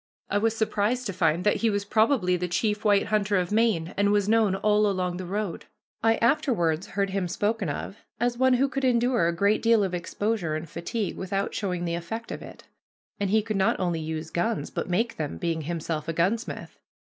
I was surprised to find that he was probably the chief white hunter of Maine and was known all along the road. I afterwards heard him spoken of as one who could endure a great deal of exposure and fatigue without showing the effect of it; and he could not only use guns, but make them, being himself a gunsmith.